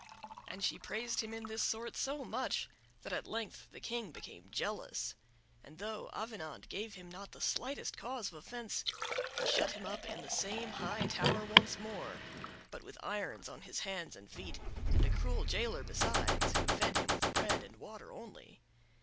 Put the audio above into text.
And she praised him in this sort so much that at length the King became jealous; and though Ayenant gave him not the slightest cause of offense, he shut him up in the same high tower once more—but with irons on his hands and feet, and a cruel jailer besides, who fed him with bread and water only.